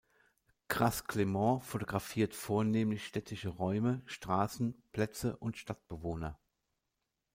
Krass Clement fotografiert vornehmlich städtische Räume, Straßen, Plätze und Stadtbewohner.